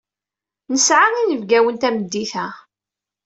Nesɛa inebgawen tameddit-a.